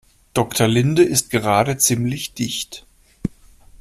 Doktor Linde ist gerade ziemlich dicht.